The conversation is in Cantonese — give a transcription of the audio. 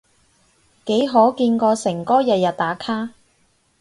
幾可見過誠哥日日打卡？